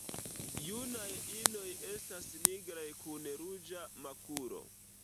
Junaj inoj estas nigraj kun ruĝa makulo.